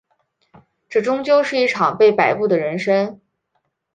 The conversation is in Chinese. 这终究是一场被摆布的人生